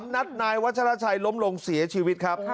นัดนายวัชราชัยล้มลงเสียชีวิตครับ